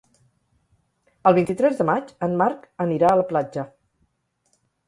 El vint-i-tres de maig en Marc anirà a la platja.